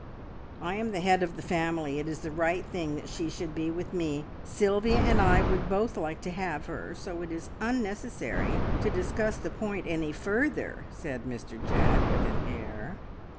"I am the head of the family. It is the right thing that she should be with me. Sylvia and I would both like to have her, so it is unnecessary to discuss the point any further," said Mr Jack, with an air.